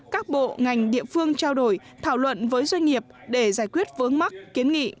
các bộ ngành địa phương trao đổi thảo luận với doanh nghiệp để giải quyết vướng mắc kiến nghị